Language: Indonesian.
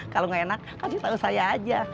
kalo gak enak kasih tau saya aja